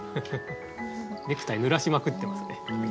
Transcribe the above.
ネクタイぬらしまくってますね。